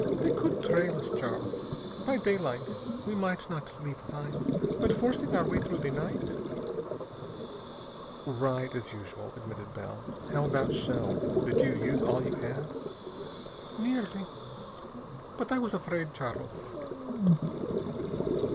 "They could trail us, Charles. By daylight we might not leave signs, but forcing our way through the night...." "Right, as usual," admitted Bell. "How about shells? Did you use all you had?" "Nearly. But I was afraid, Charles."